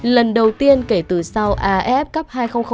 lần đầu tiên kể từ sau af cup hai nghìn bốn